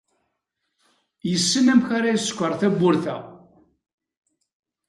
Yessen amek ara yeskeṛ tawwurt-a.